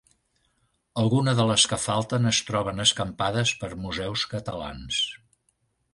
Alguna de les que falten es troben escampades per museus catalans.